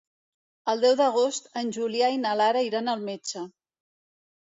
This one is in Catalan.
El deu d'agost en Julià i na Lara iran al metge.